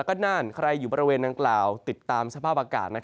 แล้วก็นั่นใครอยู่ประเวณน้ำกล่าวติดตามสภาพอากาศ